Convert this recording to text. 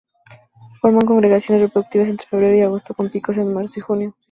Forman congregaciones reproductivas entre febrero y agosto con picos en marzo y junio.